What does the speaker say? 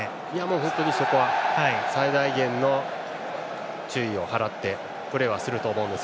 本当にそこは最大限の注意を払ってプレーはすると思います。